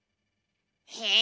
へえ。